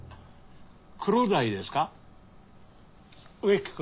クロダイですか？